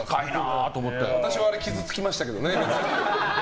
私はあれ傷つきましたけどね。